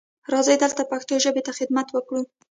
راځئ دلته پښتو ژبې ته خدمت وکړو.